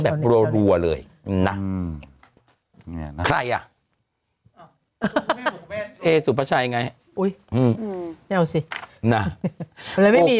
นี่นี่นี่นี่นี่นี่